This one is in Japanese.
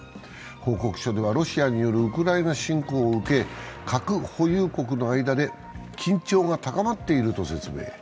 報告書では、ロシアによるウクライナ侵攻を受け核保有国の間で緊張が高まっていると説明。